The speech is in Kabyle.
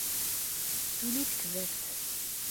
Tuli tekbabt.